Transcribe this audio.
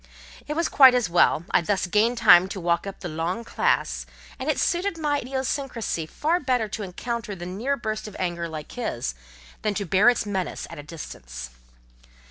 It was quite as well: I thus gained time to walk up the long classe; and it suited my idiosyncracy far better to encounter the near burst of anger like his, than to bear its menace at a distance.